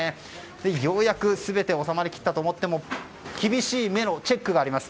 ようやく全て収まりきったと思っても厳しい目のチェックがあります。